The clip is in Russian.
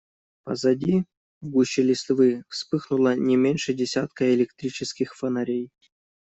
Позади, в гуще листвы, вспыхнуло не меньше десятка электрических фонарей.